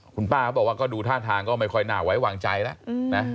คุณป้าเขาบอกว่าก็ดูท่าทางก็ไม่ค่อยน่าไว้วางใจแล้วนะ